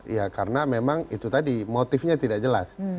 ya karena memang itu tadi motifnya tidak jelas